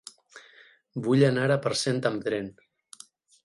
Vull anar a Parcent amb tren.